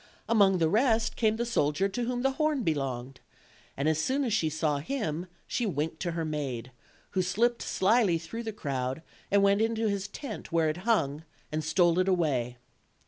Among the rest came the soldier to whom the horn belonged, and as soon as she saw him she winked to her maid, who slipped slyly through the crowd and went into his tent where it hung, and stole it away.